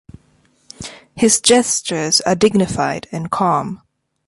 His gestures are dignified and calm.